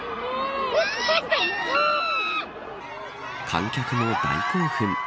観客も大興奮。